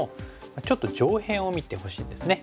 ちょっと上辺を見てほしいんですね。